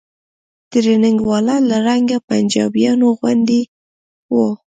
ټرېننگ والا له رنګه پنجابيانو غوندې و.